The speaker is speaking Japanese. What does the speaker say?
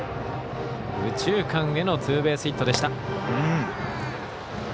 右中間へのツーベースヒットでした。